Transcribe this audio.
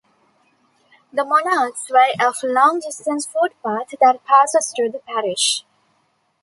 The Monarch's Way is a long-distance footpath that passes through the parish.